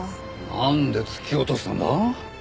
なんで突き落としたんだ？